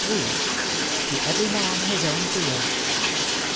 TO EVERY MAN HIS OWN FEAR.